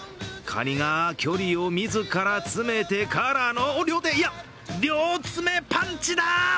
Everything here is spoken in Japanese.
カニが距離を自ら詰めてからの、両手、いや、両爪パンチだ！